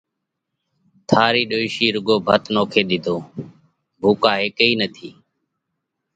ٿارِي ڏوشِي رُوڳو ڀت نوکي ۮِيڌوه۔ ڀُوڪو هيڪ ئي نٿِي۔”